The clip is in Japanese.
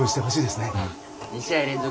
２試合連続